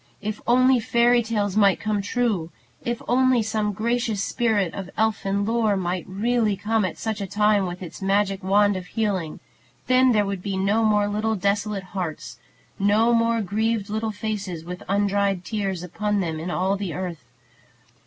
If only fairy tales might be true! If only some gracious spirit of elfin lore might really come at such a time with its magic wand of healing! Then there would be no more little desolate hearts, no more grieved little faces with undried tears upon them in all the earth.